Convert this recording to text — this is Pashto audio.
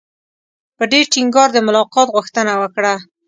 په ډېر ټینګار د ملاقات غوښتنه وکړه.